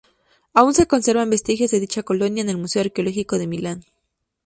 Aún se conservan vestigios de dicha colonia, en el museo arqueológico de Milán.